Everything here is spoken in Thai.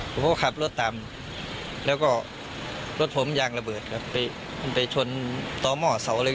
ผมก็ขับรถตามแล้วก็รถผมยางระเบิดครับไปมันไปชนต่อหม้อเสาอะไร